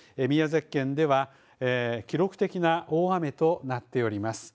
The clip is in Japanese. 宮崎県では記録的な大雨となっております。